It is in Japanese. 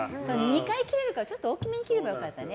２回切れるからちょっと大きめに切れば良かったね。